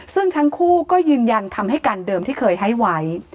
ซึ่งทั้งคู่ก็ยืนยันคำให้การเดิมที่เคยให้ไว้